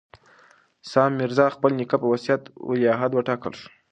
سام میرزا د خپل نیکه په وصیت ولیعهد وټاکل شو.